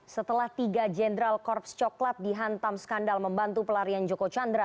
setelah tiga jenderal korps coklat dihantam skandal membantu pelarian joko chandra